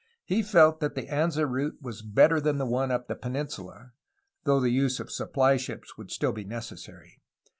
He felt that the Anza route was better than the one up the peninsula, though the use of supply ships would still be necessary.